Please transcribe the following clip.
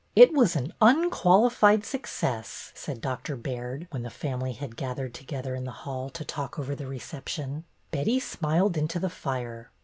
" It was an unqualified success," said Dr. Baird, when the family had gathered together in the hall to talk over the reception. ' Betty smiled into the fire.